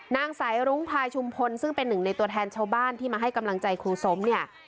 นางสายรุ้งพลายชุมพลซึ่งเป็นหนึ่งในตัวแทนชาวบ้านที่มาให้กำลังใจครูสมเนี่ย